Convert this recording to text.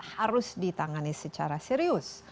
harus ditangani secara serius